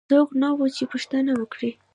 څوک نه وو چې پوښتنه وکړي.